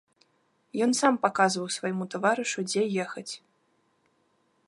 Ён сам паказваў свайму таварышу, дзе ехаць.